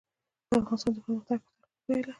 د افغانستان د پرمختګ او ترقي په هیله